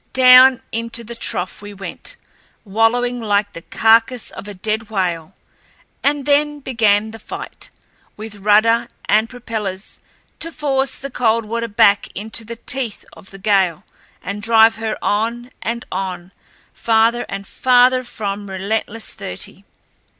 Down into the trough we went, wallowing like the carcass of a dead whale, and then began the fight, with rudder and propellers, to force the Coldwater back into the teeth of the gale and drive her on and on, farther and farther from relentless thirty.